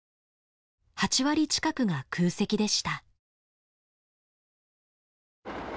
８割近くが空席でした。